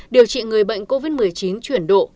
điều trị người bệnh covid một mươi chín